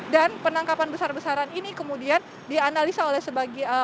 dan penangkapan besar besaran ini kemudian dianalisa oleh sebagian